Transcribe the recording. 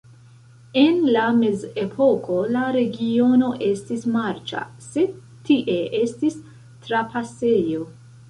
En la mezepoko la regiono estis marĉa, sed tie estis trapasejo.